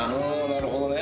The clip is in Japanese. なるほどね！